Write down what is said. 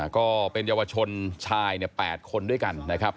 ก็เป็นเยาวชนชาย๘คนด้วยกันนะครับ